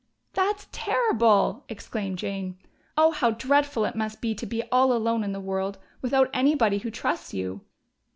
"That's terrible!" exclaimed Jane. "Oh, how dreadful it must be to be all alone in the world, without anybody who trusts you!"